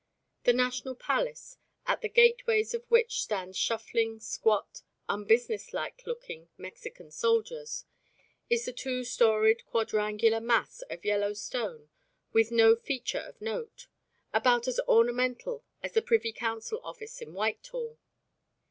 The National Palace, at the gateways of which stand shuffling, squat, unbusinesslike looking Mexican soldiers is a two storeyed quadrangular mass of yellow stone with no feature of note about as ornamental as the Privy Council Office in Whitehall.